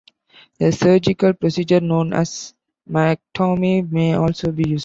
A surgical procedure known as myectomy may also be useful.